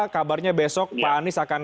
kabarnya besok pak anies akan